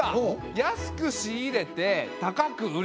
安く仕入れて高く売る！